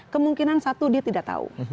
kemungkinan satu dia tidak tahu